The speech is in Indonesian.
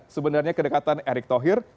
sebenarnya kedekatan erick thohir